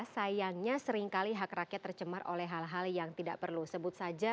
sayangnya seringkali hak rakyat tercemar oleh hal hal yang tidak perlu sebut saja